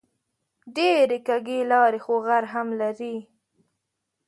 ډېرې کږې لارې خو غر هم لري